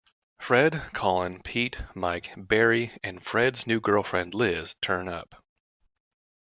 Fred, Colin, Pete, Mike, Barry and Fred's new girlfriend Liz turn up.